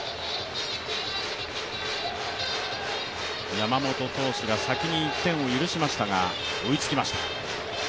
山本投手が先に１点を許しましたが追いつきました。